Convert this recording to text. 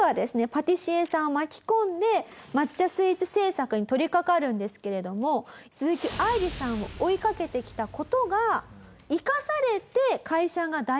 パティシエさんを巻き込んで抹茶スイーツ制作に取りかかるんですけれども鈴木愛理さんを追いかけてきた事が生かされて会社が大成功していくんです。